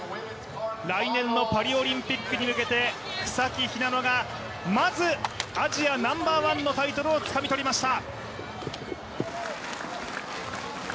来年のパリオリンピックに向けて草木ひなのが、まずアジアナンバーワンのタイトルをつかみ取りました。